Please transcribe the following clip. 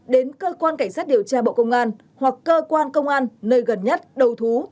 đến cơ quan cảnh sát điều tra bộ công an hoặc cơ quan công an nơi gần nhất đầu thú